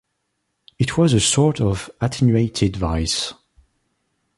It was a sort of attenuated vice.